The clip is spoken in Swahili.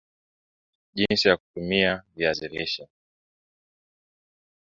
Jinsi ya kutumia viazi lishe